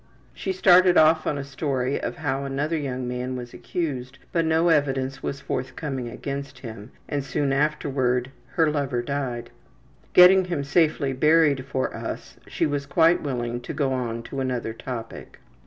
She started off on a story of how another young man was accused, but no evidence was forthcoming about him, and soon afterward her lover died. Getting him safely buried for us, she was quite willing to go on to another topic.